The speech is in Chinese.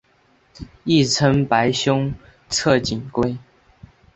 亦称白胸侧颈龟。